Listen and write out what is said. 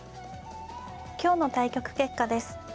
今日の対局結果です。